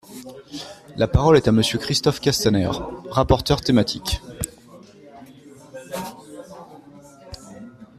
La parole est à Monsieur Christophe Castaner, rapporteur thématique.